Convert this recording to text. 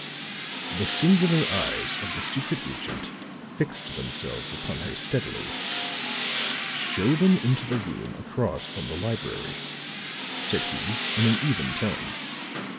The singular eyes of the secret agent fixed themselves upon her steadily. "Show them into the room across from the library," said he in an even tone.